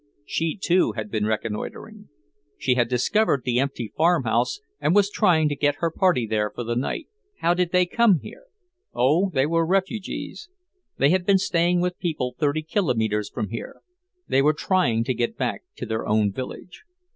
She, too, had been reconnoitering. She had discovered the empty farmhouse and was trying to get her party there for the night. How did they come here? Oh, they were refugees. They had been staying with people thirty kilometers from here. They were trying to get back to their own village.